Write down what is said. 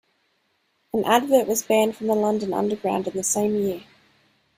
An advert was banned from the London Underground in the same year.